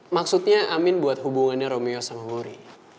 maksudnya amin buat hubungannya romeo sama worry